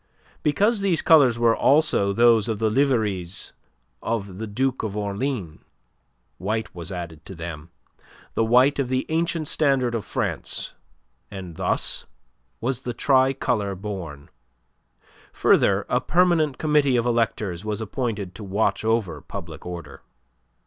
Because these colours were also those of the liveries of the Duke of Orleans, white was added to them the white of the ancient standard of France and thus was the tricolour born. Further, a permanent committee of electors was appointed to watch over public order.